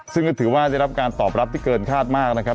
ซึ่งก็ถือว่าได้รับการตอบรับที่เกินคาดมากนะครับ